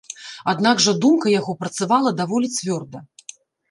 Аднак жа думка яго працавала даволі цвёрда.